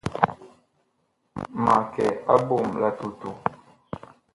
Mag kɛ a eɓom la tutu.